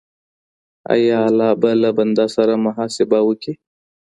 آیا الله به له بنده سره محاسبه وکړي؟